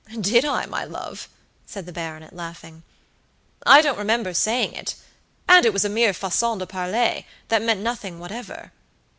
"Did I, my love?" said the baronet, laughing. "I don't remember saying it, and it was a mere façon de parler, that meant nothing whatever.